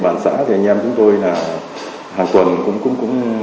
hàng tuần cũng